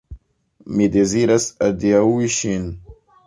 Mi deziras adiaŭi ŝin.